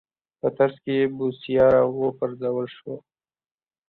په ترڅ کې یې بوسیا راوپرځول شو.